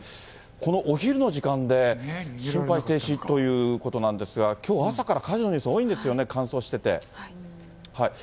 このお昼の時間で、心肺停止ということなんですが、きょう朝から、火事のニュース多いんですよね、乾燥してて。